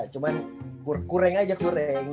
cuman kurang aja kureng